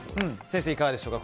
先生、いかがでしょうか。